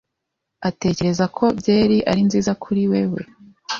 atekereza ko byeri ari nziza kuri wewe.